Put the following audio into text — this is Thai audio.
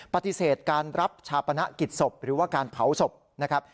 ปฏิเสธการรับชาปนกิจศพหรือว่าการเผาศพนะครับ